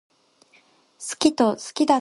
好きと好きだったの想さと感情は、きっと別なんだよね。